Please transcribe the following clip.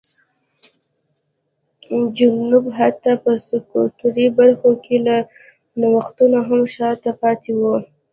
جنوب حتی په سکتوري برخو کې له نوښتونو هم شا ته پاتې و.